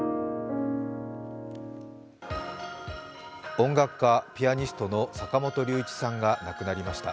音楽家、ピアニストの坂本龍一さんがなくなりました。